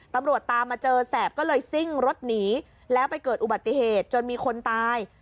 ตามมาเจอแสบก็เลยซิ่งรถหนีแล้วไปเกิดอุบัติเหตุจนมีคนตาย